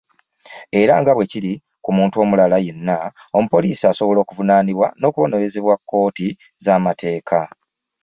Era nga bwekiri ku muntu omulala yenna omupoliisi asobola okuvunaanibwa n’okubonerezebwa kkooti z’amateeka.